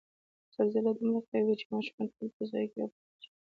زلزله دومره قوي وه چې ماشومان ټول په ځایونو کې را پورته شول.